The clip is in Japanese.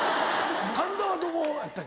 神田はどこやったっけ？